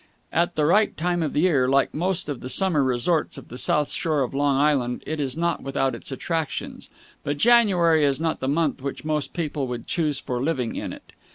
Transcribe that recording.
At the right time of the year, like most of the summer resorts on the south shore of Long Island, it is not without its attractions; but January is not the month which most people would choose for living in it.